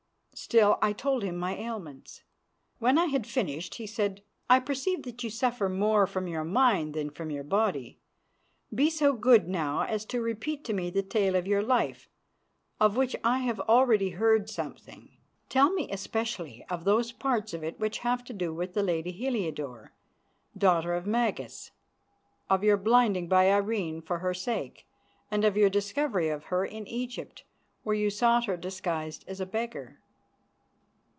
Still, I told him my ailments. When I had finished he said: "I perceive that you suffer more from your mind than from your body. Be so good, now, as to repeat to me the tale of your life, of which I have already heard something. Tell me especially of those parts of it which have to do with the lady Heliodore, daughter of Magas, of your blinding by Irene for her sake, and of your discovery of her in Egypt, where you sought her disguised as a beggar."